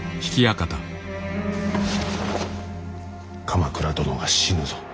鎌倉殿が死ぬぞ。